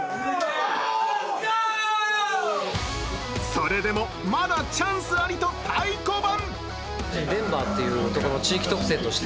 それでもまだチャンスありと太鼓判。